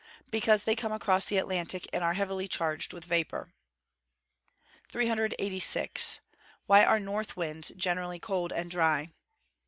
_ Because they come across the Atlantic, and are heavily charged with vapour. 386. _Why are north winds generally cold and dry?